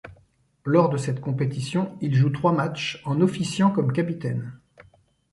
Lors de cette compétition, il joue trois matchs, en officiant comme capitaine.